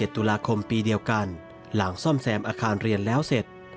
ตุลาคมปีเดียวกันหลังซ่อมแซมอาคารเรียนแล้วเสร็จ